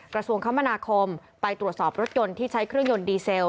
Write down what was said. กระทรวงคมนาคมไปตรวจสอบรถยนต์ที่ใช้เครื่องยนต์ดีเซล